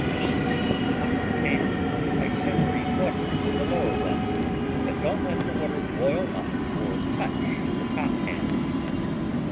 Heat the upper pan by simmering water in the lower one, but don't let the water boil up or touch the top pan.